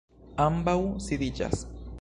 Ambaŭ sidiĝas.